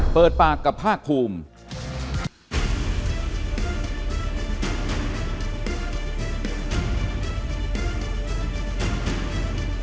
เปิดปากกับภาคภูมิ